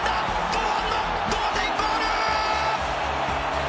堂安の同点ゴール！